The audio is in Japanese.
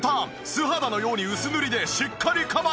素肌のように薄塗りでしっかりカバー。